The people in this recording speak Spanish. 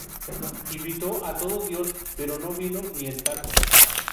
Invitó a todo Dios pero no vino ni el Tato